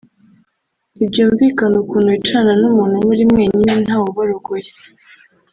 Ntibyumvikana ukuntu wicarana n’umuntu muri mwenyine ntawe ubarogoya